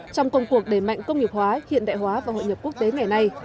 trong công cuộc đề mạnh công nghiệp hóa hiện đại hóa và hội nhập quốc tế ngày nay